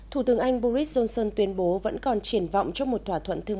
thủ tướng anh boris johnson tuyên bố vẫn còn triển vọng trong một thỏa thuận thương